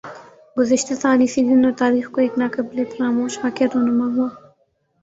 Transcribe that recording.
گزشتہ سال اسی دن اور تاریخ کو ایک نا قابل فراموش واقعہ رونما ھوا